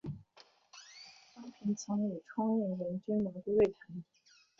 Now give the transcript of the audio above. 方平曾与冲应元君麻姑对谈。